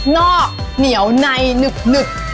นอกเหนียวในหนึบ